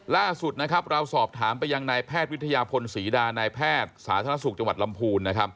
ล่าสุดนะครับเราสอบถามไปยังนายแพทย์วิทยาพลศรีดานายแพทย์สาธารณสุขจังหวัดลำพูน